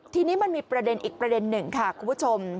ทีนี้มันมีประเด็นอีกประเด็นหนึ่งค่ะคุณผู้ชม